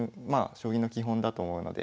将棋の基本だと思うので。